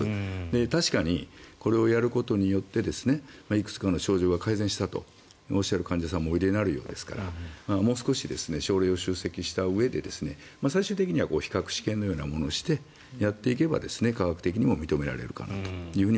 確かにこれをやることによっていくつかの症状が改善したとおっしゃる患者さんもおいでになるようですからもう少し症例を集積したうえで最終的には比較試験をすれば科学的にも認められるかなと。